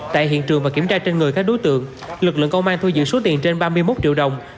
tại hiện trường và kiểm tra trên người các đối tượng lực lượng công an thu giữ số tiền trên ba mươi một triệu đồng